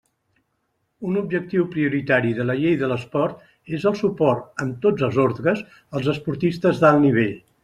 Un objectiu prioritari de la Llei de l'Esport és el suport, en tots els ordres, als esportistes d'alt nivell.